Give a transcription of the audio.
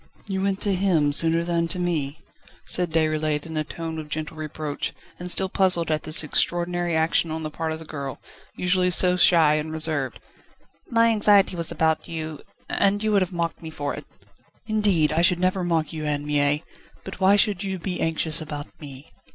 "You went to him sooner than to me?" said Déroulède in a tone of gentle reproach, and still puzzled at this extraordinary action on the part of the girl, usually so shy and reserved. "My anxiety was about you, and you would have mocked me for it." "Indeed, I should never mock you, Anne Mie. But why should you be anxious about me?"